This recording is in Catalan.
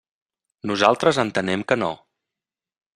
Nosaltres entenem que no.